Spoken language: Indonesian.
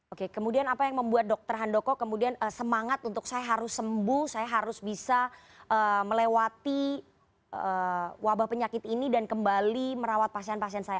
oke kemudian apa yang membuat dokter handoko kemudian semangat untuk saya harus sembuh saya harus bisa melewati wabah penyakit ini dan kembali merawat pasien pasien saya